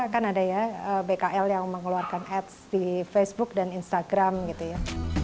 kan ada ya bkl yang mengeluarkan ads di facebook dan instagram gitu ya